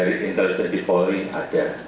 dari intelijen di teknik saya punya